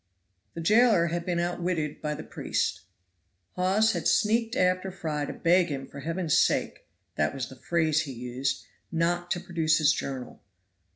THE jailer had been outwitted by the priest. Hawes had sneaked after Fry to beg him for Heaven's sake that was the phrase he used not to produce his journal.